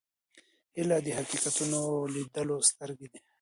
هیله د حقیقتونو د لیدلو سترګې دي.